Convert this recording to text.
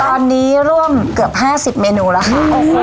ตอนนี้ร่วมเกือบ๕๐เมนูแล้วค่ะ